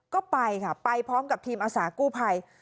ก็ไปค่ะไปพร้อมกับทีมอาสากู้ภัย